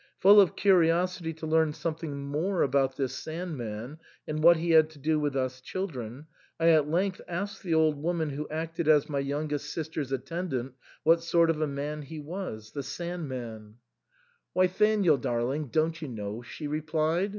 Full of curiosity to learn something more about this Sand man and what he had to do with us children, I at length asked the old woman who acted as my youngest sister's attendant, wha^ sort of a man he was — the Sand man ? THE SAND'MAN. 171 "Why, 'thanael, darling, don't you know ?" she replied.